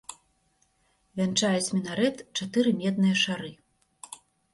Вянчаюць мінарэт чатыры медныя шары.